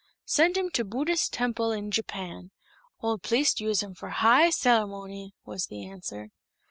"Send him to Buddhist temple in Japan. Old pliest use him for high celemony," was the answer.